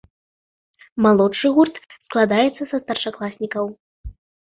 Малодшы гурт складаецца са старшакласнікаў.